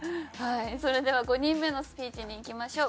それでは５人目のスピーチにいきましょう。